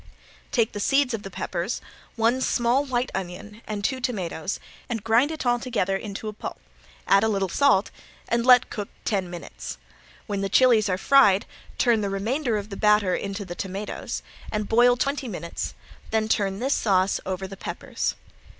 Take the seeds of the peppers, one small white onion and two tomatoes, and grind all together into a pulp, add a little salt and let cook ten minutes. When the chilies are fried turn the remainder of the batter into the tomatoes and boil twenty minutes, then turn this sauce over the peppers.